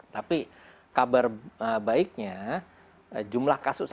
tapi kabar baiknya jumlah kasus